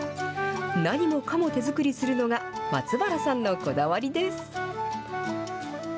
何もかも手作りするのが、松原さんのこだわりです。